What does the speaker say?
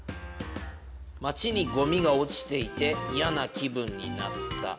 町にゴミが落ちていていやな気分になった。